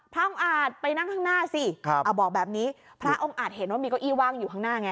พระองค์อาจไปนั่งข้างหน้าสิบอกแบบนี้พระองค์อาจเห็นว่ามีเก้าอี้ว่างอยู่ข้างหน้าไง